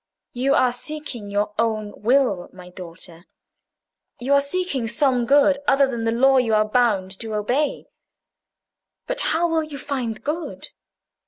"You are seeking your own will, my daughter. You are seeking some good other than the law you are bound to obey. But how will you find good?